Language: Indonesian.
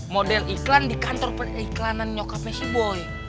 model iklan di kantor periklanan nyokapnya si boy